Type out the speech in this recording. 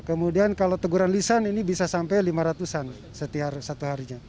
kemudian kalau teguran lisan ini bisa sampai lima ratus an setiap satu harinya